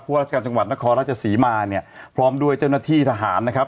ราชการจังหวัดนครราชศรีมาเนี่ยพร้อมด้วยเจ้าหน้าที่ทหารนะครับ